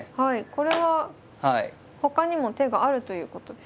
これはほかにも手があるということですか。